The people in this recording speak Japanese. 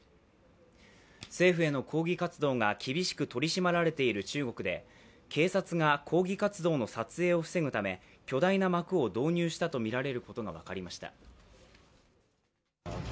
政府への抗議活動が厳しく取り締まられている中国で警察が抗議活動の撮影を防ぐため巨大な幕を導入したとみられることが分かりました。